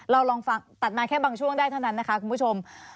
ลองฟังตัดมาแค่บางช่วงได้เท่านั้นนะคะคุณผู้ชม